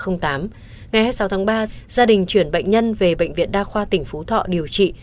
ngày hai mươi sáu tháng ba gia đình chuyển bệnh nhân về bệnh viện đa khoa tỉnh phú thọ điều trị